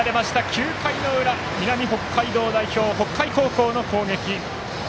９回の裏南北海道代表、北海の攻撃。